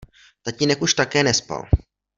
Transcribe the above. Tatínek už také nespal.